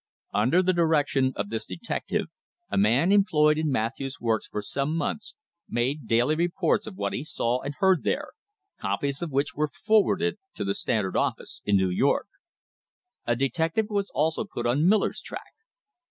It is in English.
Under the direction of this detective, a man employed in Matthews's works for some months made daily reports of what he saw and heard there, copies of which were forwarded to THE HISTORY OF THE STANDARD OIL COMPANY the Standard office in New York. A detective was also put on Miller's track.